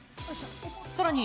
さらに